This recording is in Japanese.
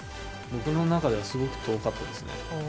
僕の中ではすごく遠かったですね。